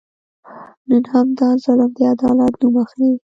نن همدا ظلم د عدالت نوم اخلي.